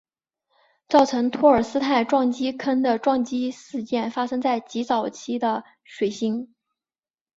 造成托尔斯泰撞击坑的撞击事件发生在极早期的水星。